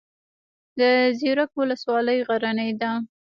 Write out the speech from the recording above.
د زیروک ولسوالۍ غرنۍ ده